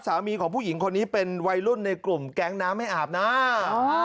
สามีของผู้หญิงคนนี้เป็นวัยรุ่นในกลุ่มแก๊งน้ำไม่อาบหน้า